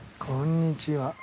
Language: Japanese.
こんにちは。